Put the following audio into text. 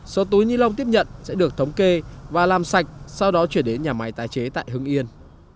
số túi ni lông tiếp nhận sẽ được thống kê và làm sạch sau đó chuyển đến nhà máy tái chế tại hưng yên